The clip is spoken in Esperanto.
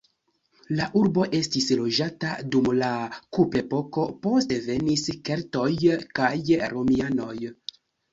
La urbo estis loĝata dum la kuprepoko, poste venis keltoj kaj romianoj.